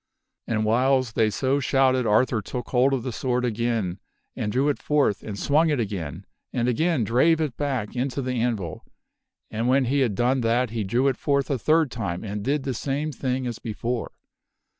And whiles they so shouted Arthur took hold of the sword again and drew it forth and swung it again, and again drave it back into the anvil. And when he had done that he drew it forth a third time and did the same thing as before.